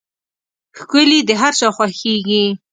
ښکلي د هر چا خوښېږي.